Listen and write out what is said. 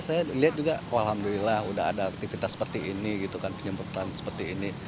saya lihat juga alhamdulillah udah ada aktivitas seperti ini gitu kan penyemprotan seperti ini